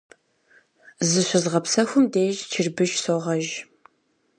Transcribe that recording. Зыщызгъэпсэхум деж чырбыш согъэж.